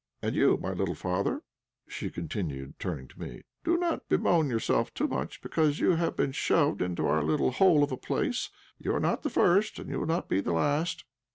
And you, my little father," she continued, turning to me, "do not bemoan yourself too much because you have been shoved into our little hole of a place; you are not the first, and you will not be the last.